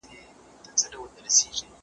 زه مخکي موسيقي اورېدلې وه!.